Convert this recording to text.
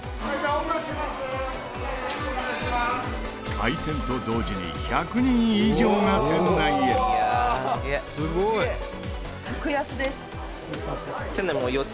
開店と同時に１００人以上が店内へ女性：